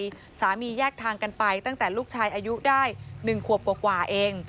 สามีแยกทางกันไปตั้งแต่ลูกชายอายุได้๑ขวบกว่าเอง